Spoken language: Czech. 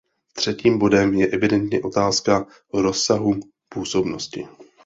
Třetím bodem je evidentně otázka rozsahu působnosti.